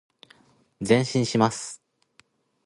前進します。